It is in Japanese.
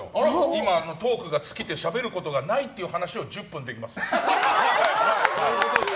今トークが尽きてしゃべることがないって話を１０分できます。